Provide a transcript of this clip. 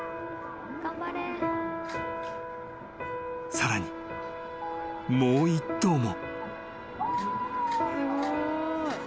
［さらにもう１頭も］